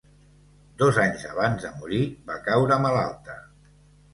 Dos anys abans de morir va caure malalta.